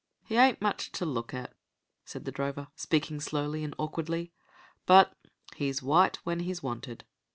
"He ain't much to look at," said the drover, speaking slowly and awkwardly, "but he's white when he's wanted."